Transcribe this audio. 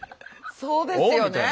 そうですよね。